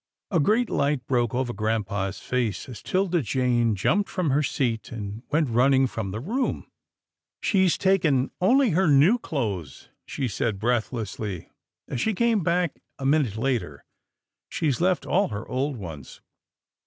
A great light broke over grampa's face as 'Tilda 174 PURSUIT OF THE GOOSE 175 Jane jumped from her seat, and went running from the room. " She's taken only her new clothes," she said breathlessly, as she came back a minute later, " she's left all her old ones."